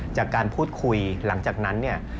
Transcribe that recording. จากการพูดคุยหลังจากนั้น